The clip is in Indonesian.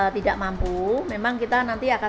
tidak mampu memang kita nanti akan